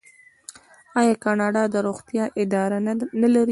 آیا کاناډا د روغتیا اداره نلري؟